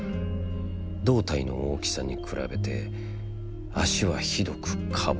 胴体の大きさに比べて、足はひどくか細かった。